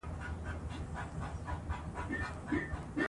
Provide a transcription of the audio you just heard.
فضل الهي وايي، د روسي یرغل وروسته لیکوالان پاکستان ته کډه شول.